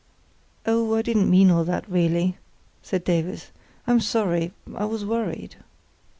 "Oh, I didn't mean all that, really," said Davies; "I'm sorry—I was worried."